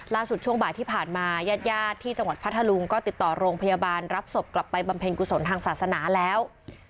ช่วงบ่ายที่ผ่านมาญาติญาติที่จังหวัดพัทธลุงก็ติดต่อโรงพยาบาลรับศพกลับไปบำเพ็ญกุศลทางศาสนาแล้ว